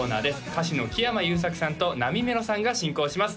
歌手の木山裕策さんとなみめろさんが進行します